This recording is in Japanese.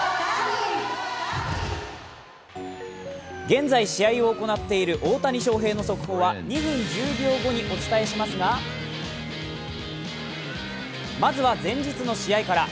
現在試合を行っている大谷翔平の速報は２分１０秒後にお伝えしますが、まずは前日の試合から。